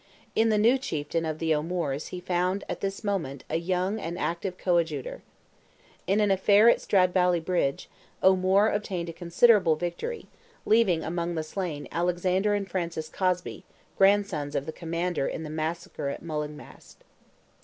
In the new chieftain of the O'Moores he found at this moment a young and active coadjutor. In an affair at Stradbally Bridge, O'Moore obtained a considerable victory, leaving among the slain Alexander and Francis Cosby, grandsons of the commander in the massacre at Mullaghmast.